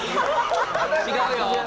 違うよ！